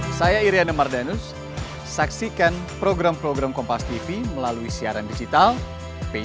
pak yasmin makasih makasih